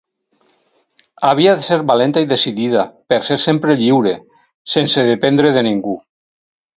Havia de ser valenta i decidida, per ser sempre lliure; sense dependre de ningú.